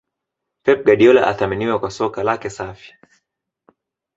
pep guardiola athaminiwe kwa Soka lake safi